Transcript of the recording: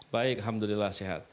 baik alhamdulillah sehat